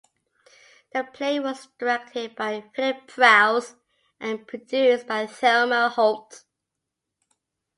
The play was directed by Philip Prowse and produced by Thelma Holt.